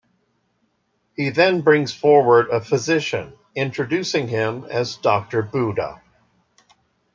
He then brings forward a physician, introducing him as Doctor Budah.